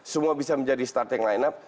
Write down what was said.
semua bisa menjadi starting line up